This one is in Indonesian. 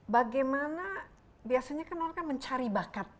bagaimana biasanya kan orang kan mencari bakat